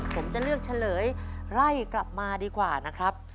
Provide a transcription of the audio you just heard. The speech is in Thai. ผมจะเลือกเฉลยไล่กลับมาดีกว่านะครับ